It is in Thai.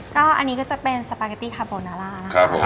ก็อันนี้ก็จะเป็นสปาเกตตี้คาโบนาล่านะคะ